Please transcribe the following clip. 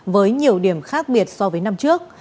với nhiều điểm khác biệt so với năm trước